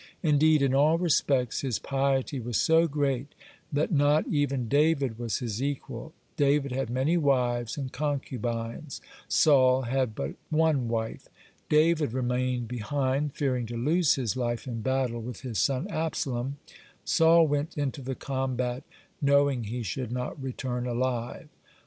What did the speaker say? (79) Indeed, in all respects his piety was so great that not even David was his equal: David had many wives and concubines; Saul had but on wife. David remained behind, fearing to lose his life in battle with his son Absalom; Saul went into the combat knowing he should not return alive.